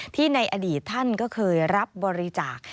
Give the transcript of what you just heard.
ในอดีตท่านก็เคยรับบริจาค